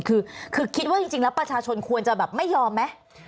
คือคิดว่าจริงแล้วประชาชนควรจะแบบไม่ยอมไหม